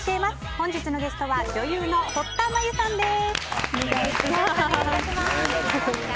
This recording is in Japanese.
本日のゲストは女優の堀田真由さんです。